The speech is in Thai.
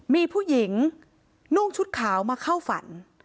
มีผู้หญิงนุ่งชุดขาวมาเข้าฝัน